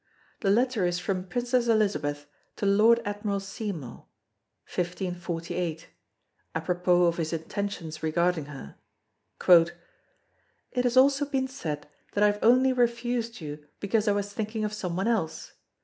The letter is from Princess Elizabeth to Lord Admiral Seymour, 1548 (apropos of his intentions regarding her): "It has also been said that I have only refused you because I was thinking of some one else.